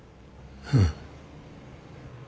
うん。